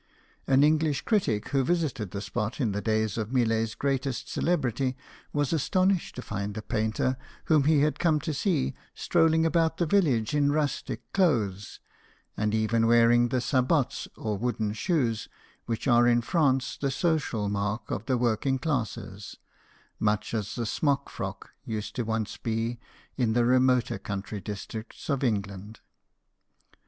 An English critic, who visited the spot in the days of Millet's greatest celebrity, was astonished to find the painter, whom he had come to see, strolling aboat the village in rustic clothes, and even wearing the sabots or wooden shoes which are in France the social mark of the w r orking classes, much as the smock frock used once to 130 BIOGRAPHIES OF WORKING MEN. be in the remoter country districts of England.